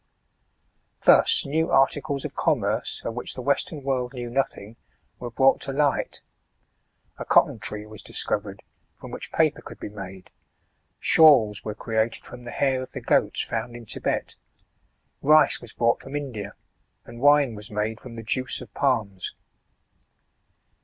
Thus new articles of commerce, of which the Western world knew nothing, were brought to light ; a cotton tree was discovered, from which paper could be made, shawls were created from the hair of the goats found in Thibet, rice was brought 'from Indul, and wine was made from the juice of palms.